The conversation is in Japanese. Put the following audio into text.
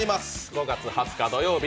５月２０日土曜日